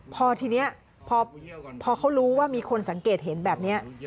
พอทีนี้พอเขารู้ว่ามีคนสังเกตเห็นแบบนี้